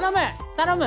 頼む。